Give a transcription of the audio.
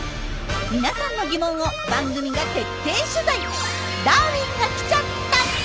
皆さんの疑問を番組が徹底取材！